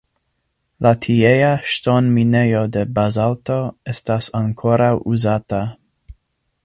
La tiea ŝtonminejo de bazalto estas ankoraŭ uzata.